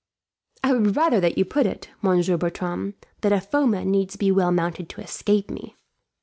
"I would rather that you put it, Monsieur Bertram, that a foeman needs be well mounted to escape me."